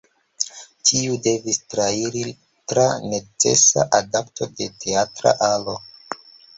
Tiu devis trairi tra necesa adapto de teatra alo.